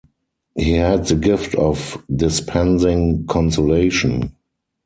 He had the gift of dispensing consolation.